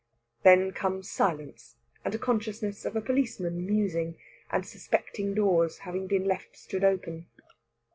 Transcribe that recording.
Then comes silence, and a consciousness of a policeman musing, and suspecting doors have been left stood open.